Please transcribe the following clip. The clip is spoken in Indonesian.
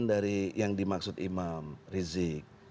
dari yang dimaksud imam rizik